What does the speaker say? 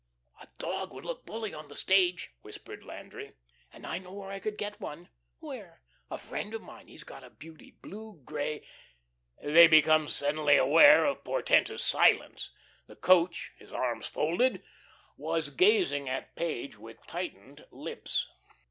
"A dog would look bully on the stage," whispered Landry. "And I know where I could get one." "Where?" "A friend of mine. He's got a beauty, blue grey " They become suddenly aware of a portentous silence The coach, his arms folded, was gazing at Page with tightened lips.